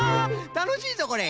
たのしいぞこれ。